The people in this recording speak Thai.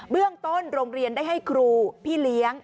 เรื่องต้นโรงเรียนได้ให้ครูพี่เลี้ยง